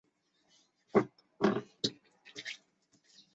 乌主要的石油精炼厂就位于该州的克列缅丘格。